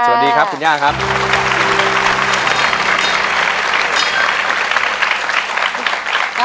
สวัสดีครับคุณย่าครับ